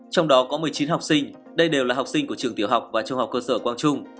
trong đó có một mươi chín học sinh đây đều là học sinh của trường tiểu học và trung học cơ sở quang trung